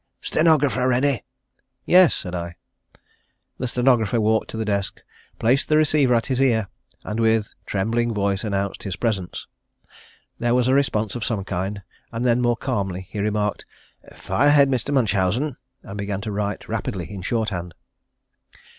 "Stenographer ready?" "Yes," said I. The stenographer walked to the desk, placed the receiver at his ear, and with trembling voice announced his presence. There was a response of some kind, and then more calmly he remarked, "Fire ahead, Mr. Munchausen," and began to write rapidly in short hand.